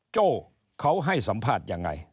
โจ้เขาให้สัมภาษณ์ยังไง